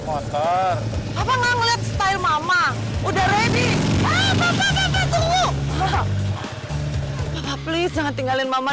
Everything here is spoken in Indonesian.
ke kantor papa ngeliat style mama udah ready ah papa papa tunggu papa please jangan tinggalin mama